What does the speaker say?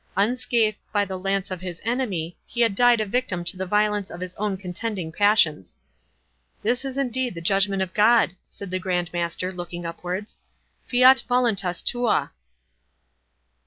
Unscathed by the lance of his enemy, he had died a victim to the violence of his own contending passions. "This is indeed the judgment of God," said the Grand Master, looking upwards—"'Fiat voluntas tua!